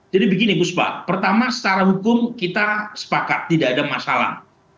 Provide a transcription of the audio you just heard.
jadi begini bu sba pertama secara hukum kita sepakat tidak ada masalah